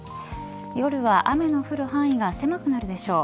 夜は雨の降る範囲が狭くなるでしょう。